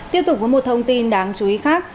tiếp tục có một thông tin đáng chú ý khác